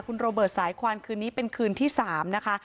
คุณโรเบิร์ตสายควันคืนนี้เป็นคืนที่๓นะคะ